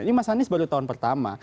ini mas anies baru tahun pertama